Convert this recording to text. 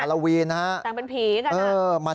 โลวีนนะฮะแต่งเป็นผีกันนะ